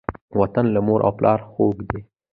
وطن له مور او پلاره خووږ دی.